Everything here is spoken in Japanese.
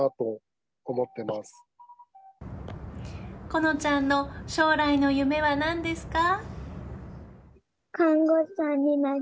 好乃ちゃんの将来の夢は何ですか？